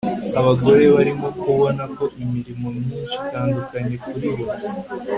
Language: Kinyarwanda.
Abagore barimo kubona ko imirimo myinshi itandukanye kuri bo